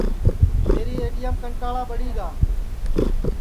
میری اَڈؔیام کنٹاݪا ٻڑی گا